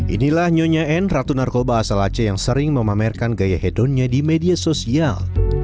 inilah nyonya n ratu narkoba asal aceh yang sering memamerkan gaya hedonnya di media sosial